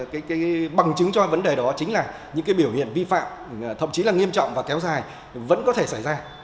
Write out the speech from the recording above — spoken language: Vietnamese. cái bằng chứng cho vấn đề đó chính là những cái biểu hiện vi phạm thậm chí là nghiêm trọng và kéo dài vẫn có thể xảy ra